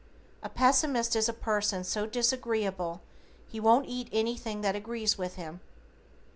A Pessimist is a person so disagreeable, he won't eat anything that agrees with him.